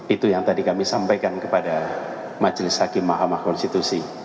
itu yang tadi kami sampaikan kepada majelis hakim mahkamah konstitusi